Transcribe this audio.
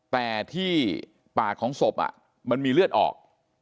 แต่ที่ปากของศพมันมีเลือดออก